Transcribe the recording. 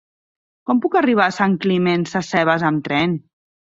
Com puc arribar a Sant Climent Sescebes amb tren?